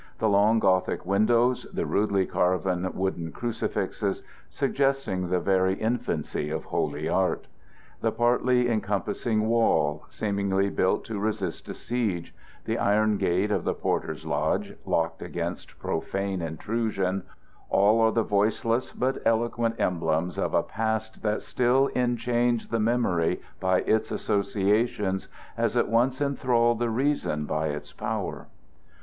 The long Gothic windows; the rudely carven wooden crucifixes, suggesting the very infancy of holy art; the partly encompassing wall, seemingly built to resist a siege; the iron gate of the porter's lodge, locked against profane intrusion all are the voiceless but eloquent emblems of a past that still enchains the memory by its associations as it once enthralled the reason by its power.